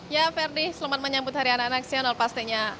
ya ferdi selamat menyambut hari anak nasional pastinya